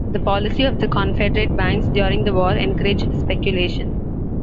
The policy of the Confederate banks during the war encouraged speculation.